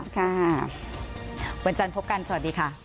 ค่ะวันจันทร์พบกันสวัสดีค่ะ